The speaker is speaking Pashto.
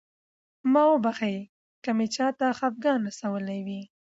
ما وبښئ که مې چاته خفګان رسولی وي.